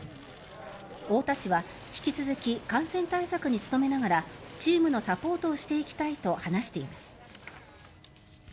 太田市は引き続き感染対策に努めながらチームのサポートをしていきたいと話しています。